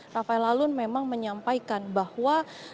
rafael alun memang menyampaikan bahwa